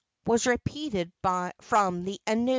was repeated from the anu.